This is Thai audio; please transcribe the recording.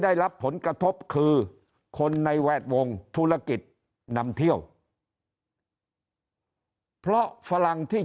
ได้รับผลกระทบคือคนในแวดวงธุรกิจนำเที่ยวเพราะฝรั่งที่